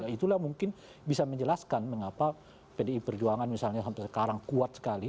itulah mungkin bisa menjelaskan mengapa pdi perjuangan misalnya sampai sekarang kuat sekali